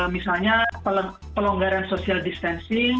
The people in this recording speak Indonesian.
misalnya pelonggaran social distancing